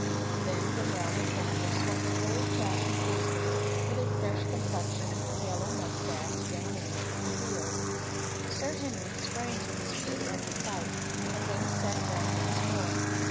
Then from round the corner there swung an old fashioned Wolseley, with a fresh complexioned, yellow moustached young man at the wheel. Sir Henry sprang to his feet at the sight, and then sat down once more.